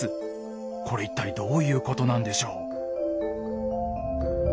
これ一体どういうことなんでしょう？